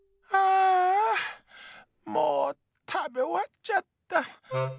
ああもうたべおわっちゃった。